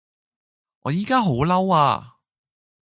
我依家好嬲呀